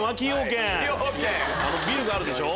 ビルがあるでしょ？